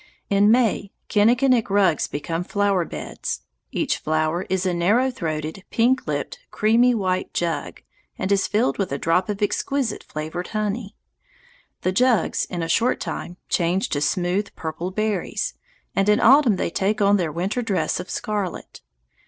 In May kinnikinick rugs become flower beds. Each flower is a narrow throated, pink lipped, creamy white jug, and is filled with a drop of exquisitely flavored honey. The jugs in a short time change to smooth purple berries, and in autumn they take on their winter dress of scarlet.